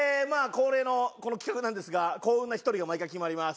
恒例のこの企画なんですが幸運な１人が毎回決まります。